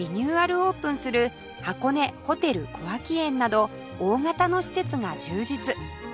オープンする箱根ホテル小涌園など大型の施設が充実